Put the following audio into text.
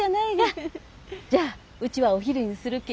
じゃうちはお昼にするき